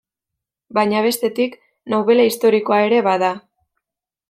Baina bestetik, nobela historikoa ere bada.